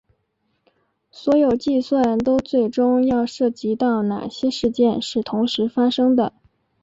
所有计算都最终要涉及到哪些事件是同时发生的。